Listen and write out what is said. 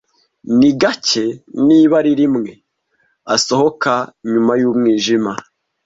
Ni gake, niba ari rimwe, asohoka nyuma y'umwijima.